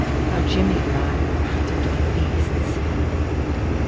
HOW JIMMY AND I WERE HUNTED LIKE BEASTS.